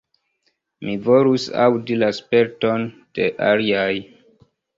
Mi volus aŭdi la sperton de aliaj.